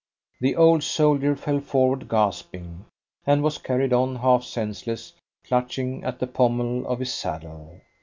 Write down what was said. The old soldier fell forward gasping, and was carried on half senseless, clutching at the pommel of his saddle.